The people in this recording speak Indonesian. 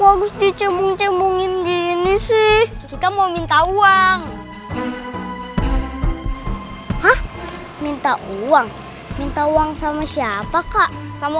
bagus dicembung cembungin gini sih kita mau minta uang hah minta uang minta uang sama siapa kak sama